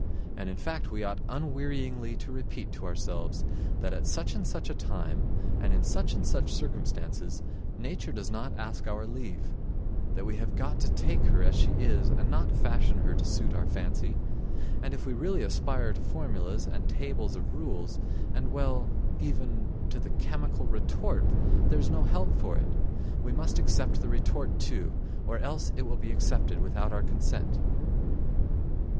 And, in fact, we ought unwearyingly to repeat to ourselves that at such and such a time and in such and such circumstances nature does not ask our leave; that we have got to take her as she is and not fashion her to suit our fancy, and if we really aspire to formulas and tables of rules, and well, even ... to the chemical retort, there's no help for it, we must accept the retort too, or else it will be accepted without our consent...."